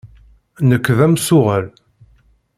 Nekk d amsuɣel.